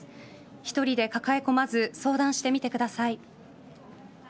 １人で抱え込まず相談してみてください。